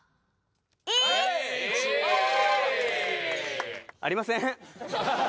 １！ありません。